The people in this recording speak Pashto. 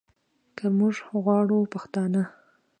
که موږ غواړو پښتانه